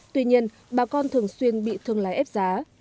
tuy nhiên bà con thường xuyên bị thương lái ép giá